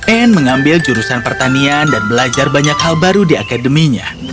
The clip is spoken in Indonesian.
anne mengambil jurusan pertanian dan belajar banyak hal baru di akademinya